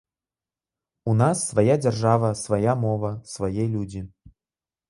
У нас свая дзяржава, свая мова, свае людзі.